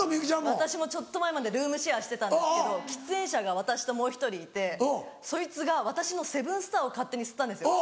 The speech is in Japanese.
私もちょっと前までルームシェアしてたんですけど喫煙者が私ともう１人いてそいつが私のセブンスターを勝手に吸ったんですよ。